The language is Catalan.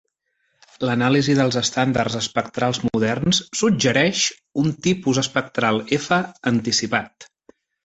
L"anàlisi dels estàndards espectrals moderns suggereix un tipus espectral F anticipat.